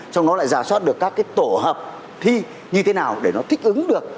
trong đó lại giả soát được các cái tổ hợp thi như thế nào để nó thích ứng được